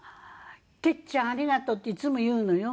「てっちゃんありがとう」っていつも言うのよ。